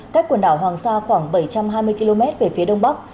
cách quần đảo hoàng sa khoảng bảy trăm hai mươi km về phía đông bắc